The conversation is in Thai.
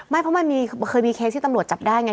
ไม่เพราะมันเคยมีเคสที่ตำรวจจับได้ไง